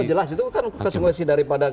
oh jelas itu kan kesenguasaan daripada